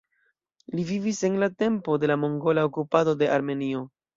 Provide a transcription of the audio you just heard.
Li vivis en la tempo de la mongola okupado de Armenio.